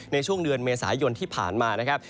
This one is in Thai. ในช่วงเดือนเมษายนที่ผ่านมานะครับ